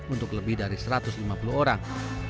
untuk lebih dari satu ratus lima puluh orang